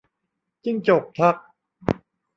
จิ้งจกทัก